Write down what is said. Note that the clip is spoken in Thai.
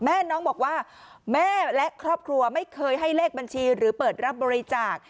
น้องบอกว่าแม่และครอบครัวไม่เคยให้เลขบัญชีหรือเปิดรับบริจาค